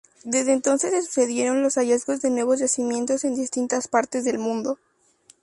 Desde entonces se sucedieron los hallazgos de nuevos yacimientos en distintas partes del mundo.